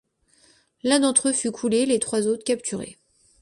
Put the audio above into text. L'un d'entre eux fut coulé, les trois autres capturés.